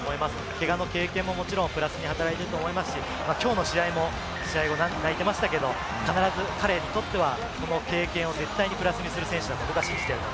怪我の経験ももちろんプラスに働いていると思いますし、きょうの試合も試合後に泣いていましたけれども、必ず彼にとってはこの経験を絶対にプラスにする選手だと僕は信じています。